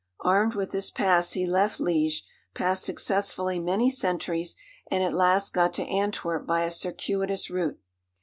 Armed with this pass he left Liège, passed successfully many sentries, and at last got to Antwerp by a circuitous route.